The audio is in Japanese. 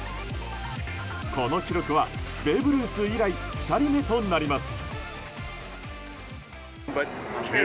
この記録はベーブ・ルース以来２人目となります。